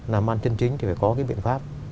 làm ăn chân chính thì phải có cái biện pháp